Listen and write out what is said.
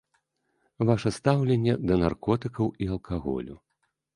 Ваша стаўленне да наркотыкаў і алкаголю.